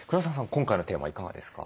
今回のテーマいかがですか？